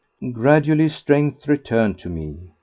Gradually strength returned to me.